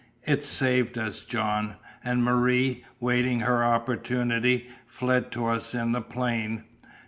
It saved us, John! And Marie, waiting her opportunity, fled to us in the plain.